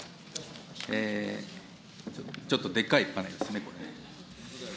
ちょっとでっかいパネルですね、これ。